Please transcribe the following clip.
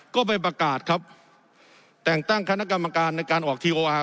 ก็ไปประกาศครับแต่งตั้งคณะกรรมการในการออกทีโออาร์